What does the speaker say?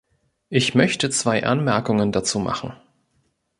Ich möchte zwei Anmerkungen dazu machen.